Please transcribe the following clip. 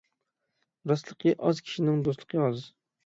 راستلىقى ئاز كىشىنىڭ دوستلۇقى ئاز.